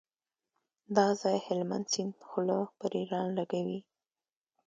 دا ځای هلمند سیند خوله پر ایران لګوي.